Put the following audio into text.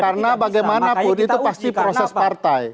karena bagaimana budi itu pasti proses partai